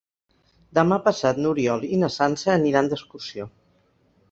Demà passat n'Oriol i na Sança aniran d'excursió.